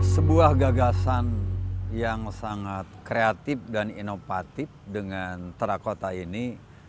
sebuah gagasan yang sangat kreatif dan inovatif dengan terakota ini